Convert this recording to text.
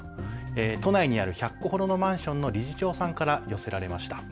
都内にある１００戸ほどのマンションの理事長さんから寄せられました。